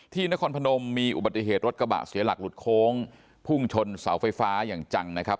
นครพนมมีอุบัติเหตุรถกระบะเสียหลักหลุดโค้งพุ่งชนเสาไฟฟ้าอย่างจังนะครับ